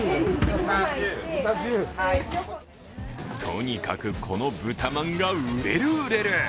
とにかく、このブタまんが売れる、売れる！